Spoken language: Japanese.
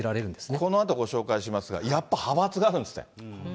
このあとご紹介しますが、やっぱ派閥があるんですね。